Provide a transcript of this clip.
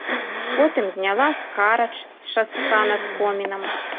Потым зняла скарач з шастка над комінам.